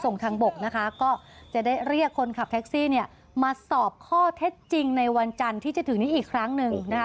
ส่งทางบกนะคะก็จะได้เรียกคนขับแท็กซี่เนี่ยมาสอบข้อเท็จจริงในวันจันทร์ที่จะถึงนี้อีกครั้งหนึ่งนะคะ